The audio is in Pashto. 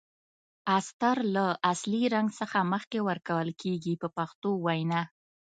استر له اصلي رنګ څخه مخکې ورکول کیږي په پښتو وینا.